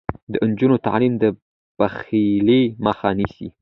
د نجونو تعلیم د بخیلۍ مخه نیسي.